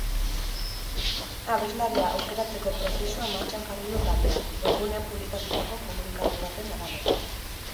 Abeslaria aukeratzeko prozesua martxan jarri du taldeak, webgunean publikatutako komunikatu baten arabera.